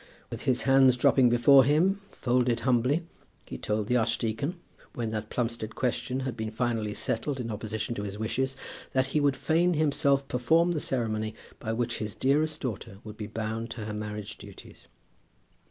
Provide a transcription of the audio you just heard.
With his hands dropping before him, folded humbly, he told the archdeacon, when that Plumstead question had been finally settled in opposition to his wishes, that he would fain himself perform the ceremony by which his dearest daughter would be bound to her marriage duties.